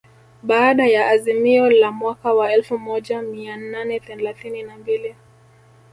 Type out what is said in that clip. Baada ya azimio la mwaka wa elfu moja mia nane thelathini na mbili